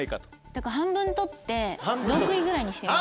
だから半分取って６位ぐらいにしてみます。